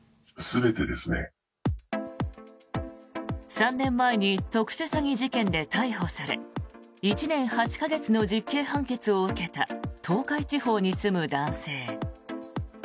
３年前に特殊詐欺事件で逮捕され１年８か月の実刑判決を受けた東海地方に住む男性。